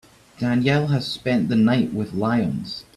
Danielle has spent the night with lions.